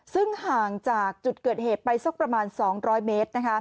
ซึ่งห่างจากจุดเกิดเหตุไปสักประมาณ๒๐๐เมตร